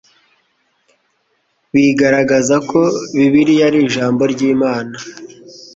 bigaragaza ko Bibiliya ari Ijambo ry Imana